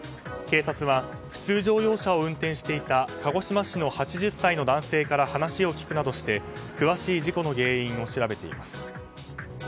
警察は普通乗用車を運転していた鹿児島市の８０歳の男性から話を聞くなどして詳しい事故の原因を調べています。